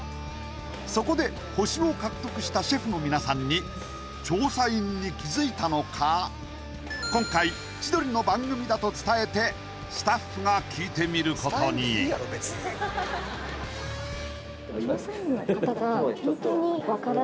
そこで星を獲得したシェフの皆さんに調査員に気づいたのか今回千鳥の番組だと伝えてスタッフが聞いてみることにあ